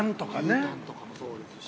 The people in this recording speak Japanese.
◆牛タンとかもそうですし。